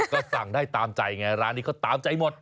ก็สั่งได้ตามใจไงร้านนี้เขาตามใจหมด